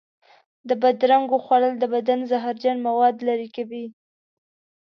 د بادرنګو خوړل د بدن زهرجن موادو لرې کوي.